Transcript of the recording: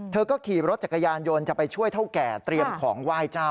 เธอก็ขี่รถจักรยานยนต์จะไปช่วยเท่าแก่เตรียมของไหว้เจ้า